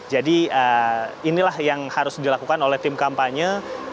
jadi inilah yang harus dilakukan oleh tim kampanye